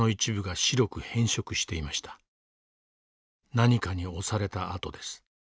何かに押された跡です。